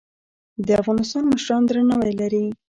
د افغانستان مشران درناوی لري